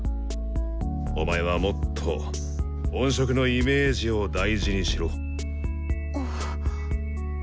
お前はもっと音色のイメージを大事にしろ。